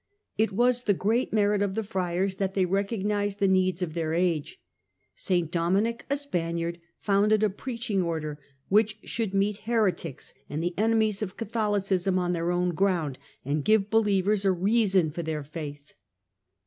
It was the great merit of tlie Friars that they recognized the needs of their age. St Dominic, a Spaniard, founded a preaching Order, which should meet heretics and the enemies of Catholicism on their own ground, and give believers a reason for their faith.